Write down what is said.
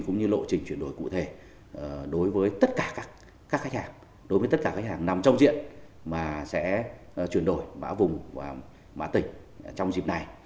cũng như lộ trình chuyển đổi cụ thể đối với tất cả các khách hàng đối với tất cả khách hàng nằm trong diện mà sẽ chuyển đổi mã vùng mã tỉnh trong dịp này